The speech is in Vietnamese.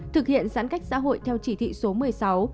thực hiện giãn cách xã hội theo chỉ thị số một mươi sáu